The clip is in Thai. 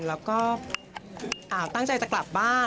แล้วก็ตั้งใจจะกลับบ้าน